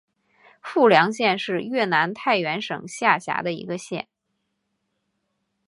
富良县是越南太原省下辖的一个县。